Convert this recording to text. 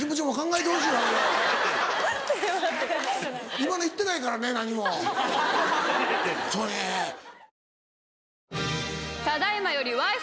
今の言ってないからね何もホントに。